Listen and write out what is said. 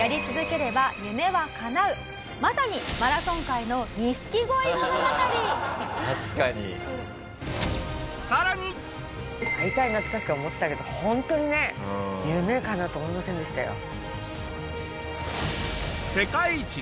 「まさにマラソン界の錦鯉物語」「確かに」会いたいなって確かに思ったけどホントにね夢かなうと思いませんでしたよ。